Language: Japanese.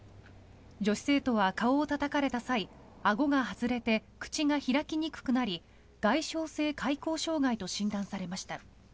女子生徒は顔をたたかれた際あごが外れて口が開きにくくなり外傷性開口障害と診断されました。